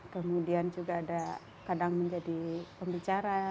kemudian juga ada kadang menjadi pembicara